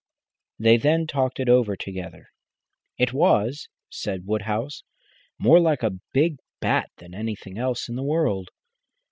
They then talked it over together. "It was," said Woodhouse, "more like a big bat than anything else in the world.